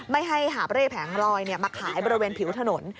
ไม่ให้หาบเร่แผงลอยมาขายบริเวณผิวถนน